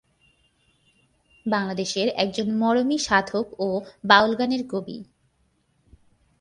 বাংলাদেশের একজন মরমী সাধক ও বাউল গানের কবি।